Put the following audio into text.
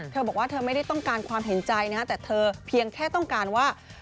เธอบอกว่าเธอไม่ได้ต้องการความเห็นใจนะฮะแต่เธอเพียงแค่ต้องการว่า